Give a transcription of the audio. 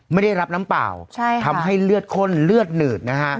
ไม่ได้รับน้ำเปล่าทำให้เลือดคลนเหนือกนหนด